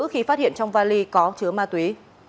khi phát hiện trong vali có chứa ma túy